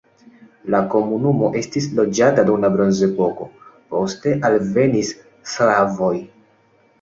La komunumo estis loĝata dum la bronzepoko, poste alvenis slavoj.